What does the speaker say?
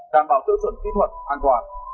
đảm bảo tựa chuẩn kỹ thuật an toàn